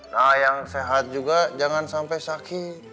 nah yang sehat juga jangan sampai sakit